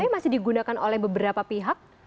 tapi masih digunakan oleh beberapa pihak